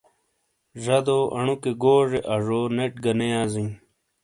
زادو انو کے گوزے آزو نیٹ گہ نے یا زیں ۔